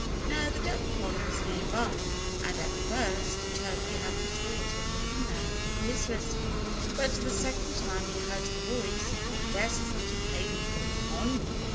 Now, the duck pond was near by. And at first Chirpy hadn't thought of looking there for his listener. But the second time he heard the voice he guessed that it came from the pond.